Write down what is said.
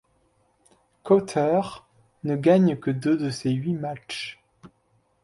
Kauter ne gagne que deux de ses huit matchs.